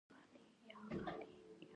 چې هغه د فېصلې پۀ مرکز اثر انداز شي -